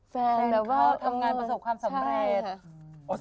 แบบว่าทำงานประสบความสำเร็จ